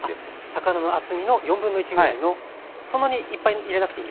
魚の厚みの1/4ぐらいのそんなにいっぱい入れなくていいんですね。